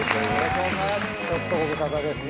ちょっとご無沙汰ですね。